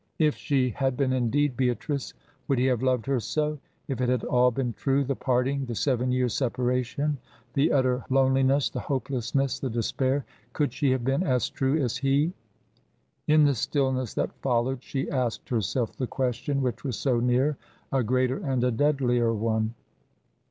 If she had been indeed Beatrice, would he have loved her so? If it had all been true, the parting, the seven years' separation, the utter loneliness, the hopelessness, the despair, could she have been as true as he? In the stillness that followed she asked herself the question which was so near a greater and a deadlier one.